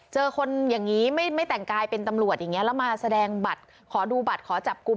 เจอคนอย่างนี้ไม่แต่งกายเป็นตำรวจอย่างนี้แล้วมาแสดงบัตรขอดูบัตรขอจับกลุ่ม